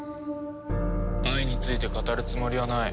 愛について語るつもりはない。